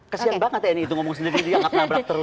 kesian banget tni itu ngomong sendiri nggak nabrak terus